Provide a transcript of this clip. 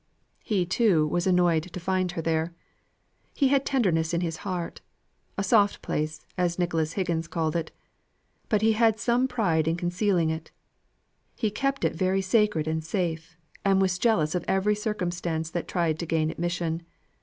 He too was annoyed to find her there. He had tenderness in his heart "a soft place," as Nicholas Higgins called it; but he had some pride in concealing it; he kept it very sacred and safe, and was jealous of every circumstance that tried to gain admission.